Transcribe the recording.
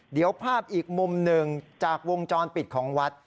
เดี๋ยวภาพอีกมุมหนึ่งจากวงจรปิดของวัด